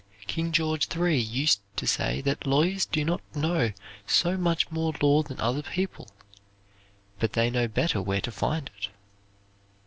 King George III, used to say that lawyers do not know so much more law than other people; but they know better where to find it.